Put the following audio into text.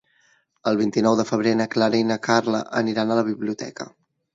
El vint-i-nou de febrer na Clara i na Carla aniran a la biblioteca.